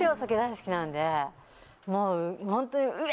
もうホント。